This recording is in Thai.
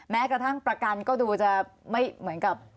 แม้กระทั่งประกันก็ดูจะไม่เหมือนกับ